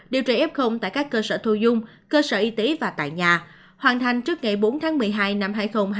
điều trị f tại các cơ sở thu dung cơ sở y tế và tại nhà hoàn thành trước ngày bốn tháng một mươi hai năm hai nghìn hai mươi